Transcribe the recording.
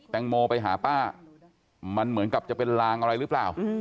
แตงโมไปหาป้ามันเหมือนกับจะเป็นลางอะไรหรือเปล่า